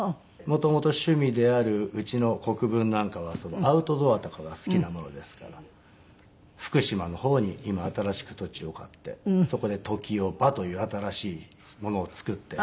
もともと趣味であるうちの国分なんかはアウトドアとかが好きなものですから福島の方に今新しく土地を買ってそこでＴＯＫＩＯ−ＢＡという新しいものを作って。